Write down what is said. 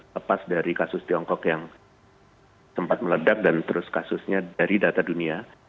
lepas dari kasus tiongkok yang sempat meledak dan terus kasusnya dari data dunia